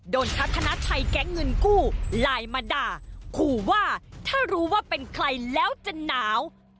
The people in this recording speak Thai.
พัฒนาชัยแก๊งเงินกู้ไลน์มาด่าขู่ว่าถ้ารู้ว่าเป็นใครแล้วจะหนาว